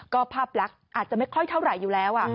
ก็ภาพลักษณ์อาจจะไม่ค่อยเท่าไหร่อยู่แล้ว